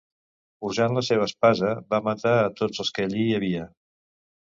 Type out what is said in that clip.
Usant la seva espasa, va matar a tots els que allí hi havia.